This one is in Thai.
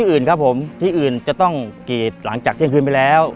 อื่นครับผมที่อื่นจะต้องกรีดหลังจากเที่ยงคืนไปแล้ว